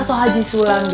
atau haji sulang be